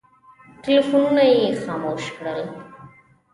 ټلفونونه یې خاموش کړل.